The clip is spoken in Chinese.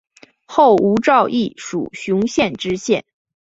后吴兆毅署雄县知县。